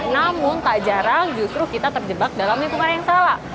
namun tak jarang justru kita terjebak dalam lingkungan yang salah